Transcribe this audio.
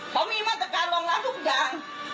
เขามีมาตรการรองรับทุกอย่าง